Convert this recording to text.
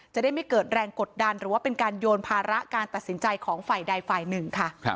จะได้ไม่เกิดแรงกดดันหรือว่าเป็นการโยนภาระการตัดสินใจของฝ่ายใดฝ่ายหนึ่งค่ะ